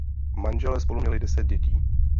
Manželé spolu měli deset dětí.